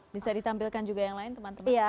bisa ditampilkan juga yang lain teman teman